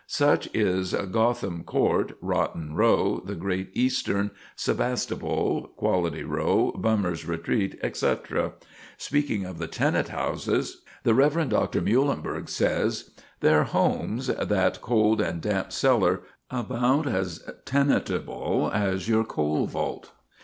Such is "Gotham Court," "Rotten Row," "The Great Eastern," "Sebastopol," "Quality Row," "Bummer's Retreat," etc. Speaking of the tenant house, the Rev. Dr. Muhlenburg says: "'Their homes!' that cold and damp cellar, about as tenantable as your coal vault!